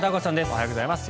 おはようございます。